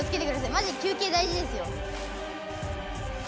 マジ休けい大じですよ。